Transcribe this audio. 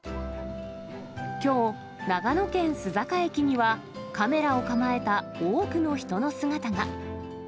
きょう、長野県須坂駅には、カメラを構えた多くの人の姿が。